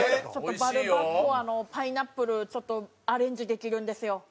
バルバッコアのパイナップルちょっとアレンジできるんですよ。